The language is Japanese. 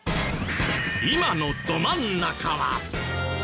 今のど真ん中は。